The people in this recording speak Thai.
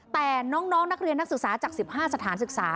แต่น้องนักเรียนนักศึกษาจาก๑๕สถานศึกษา